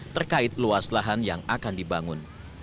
terkait luas lahan yang akan dibangun